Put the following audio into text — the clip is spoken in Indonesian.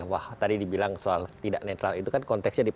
wah tadi dibilang soal tidak netral itu kan